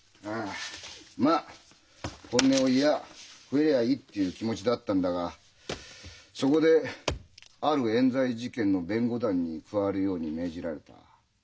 まあ本音を言やあ食えりゃいいっていう気持ちだったんだがそこである冤罪事件の弁護団に加わるように命じられた。